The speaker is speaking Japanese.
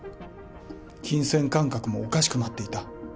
金銭感覚もおかしくなっていた。